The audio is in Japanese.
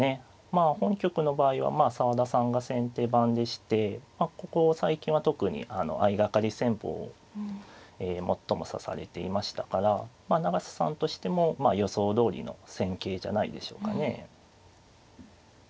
まあ本局の場合は澤田さんが先手番でしてここ最近は特に相掛かり戦法を最も指されていましたから永瀬さんとしてもまあ予想どおりの戦型じゃないでしょうかね。